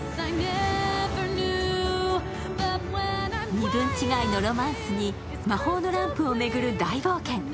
身分違いのロマンスに魔法のランプを巡る大冒険。